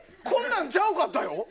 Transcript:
こんなんちゃうかったよ